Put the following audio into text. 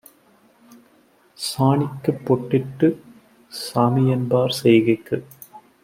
சாணிக்குப் பொட்டிட்டுச் சாமிஎன்பார் செய்கைக்கு